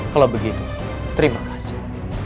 kalau begitu terima kasih